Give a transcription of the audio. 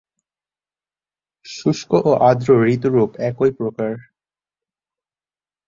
শুষ্ক ও আর্দ্র-ঋতুরূপ একই প্রকার।